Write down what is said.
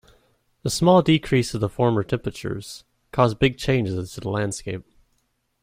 The small decrease to the former temperatures caused big changes to the landscape.